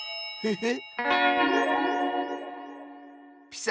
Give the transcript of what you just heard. えっ。